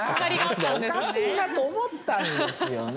おかしいなと思ったんですよね。